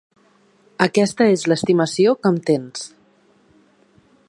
Aquesta és l'estimació que em tens!